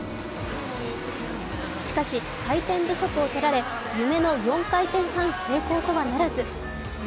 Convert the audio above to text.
しかし、回転不足をとられ、夢の４回転半成功とはならず。